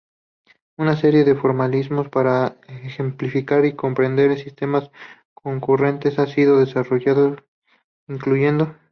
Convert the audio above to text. Una serie de formalismos para ejemplificar y comprender sistemas concurrentes han sido desarrollados, incluyendo.